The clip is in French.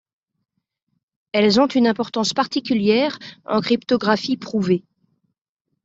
Elles ont une importance particulière en cryptographie prouvée.